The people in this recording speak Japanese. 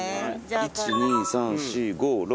１２３４５６